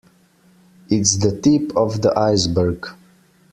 It's the tip of the iceberg.